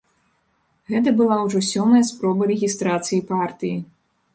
Гэта была ўжо сёмая спроба рэгістрацыі партыі.